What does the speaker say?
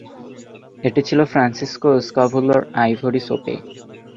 এটি ছিল Francisco স্কাভুলো’র ivory সোপে।